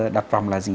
đặt vòng là gì